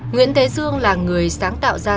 nguyễn thế dương là người sáng tạo ra